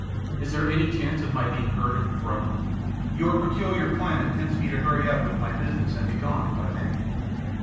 Is there a chance of myself being heard at the throne? Your peculiar climate tempts me to hurry up with my business and begone if I may."